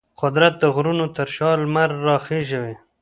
قدرت د غرونو تر شا لمر راخیژوي.